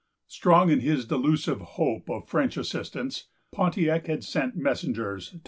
Strong in his delusive hope of French assistance, Pontiac had sent messengers to M.